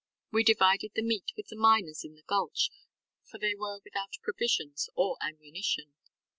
We divided the meat with the miners in the gulch, for they were without provisions or ammunition.